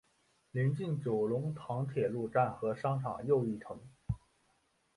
邻近九龙塘铁路站和商场又一城。